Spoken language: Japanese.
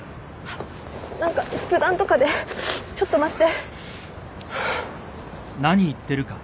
何か筆談とかでちょっと待って。